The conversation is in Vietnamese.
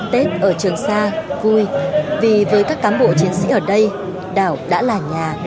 tết ở trường sa vui vì với các cám bộ chiến sĩ ở đây đảo đã là nhà